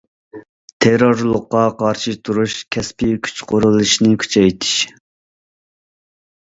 تېررورلۇققا قارشى تۇرۇش كەسپىي كۈچ قۇرۇلۇشىنى كۈچەيتىش.